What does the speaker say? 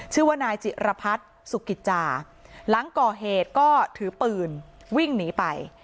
ชื่อว่านายจิรพัฒน์สุกิจจาหลังก่อเหตุก็ถือปืนวิ่งหนีไป